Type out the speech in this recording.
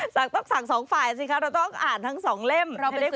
ต้องสั่งสองฝ่ายสิคะเราต้องอ่านทั้งสองเล่ม